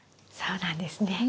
そうなんですね。